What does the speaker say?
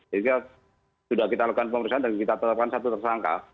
jadi sudah kita lakukan pemeriksaan dan kita tetapkan satu tersangka